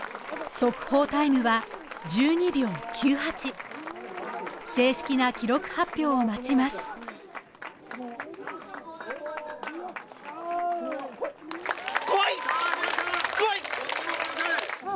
速報タイムは１２秒９８正式な記録発表を待ちますこいこい！